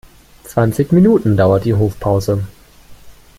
Zwanzig Minuten dauert die Hofpause.